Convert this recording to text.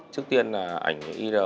trước tiên là ảnh ir